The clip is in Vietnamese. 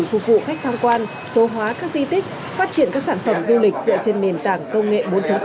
phục vụ khách tham quan số hóa các di tích phát triển các sản phẩm du lịch dựa trên nền tảng công nghệ bốn